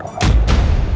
belum selesai roy